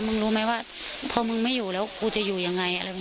มึงรู้ไหมว่าพอมึงไม่อยู่แล้วกูจะอยู่อย่างไร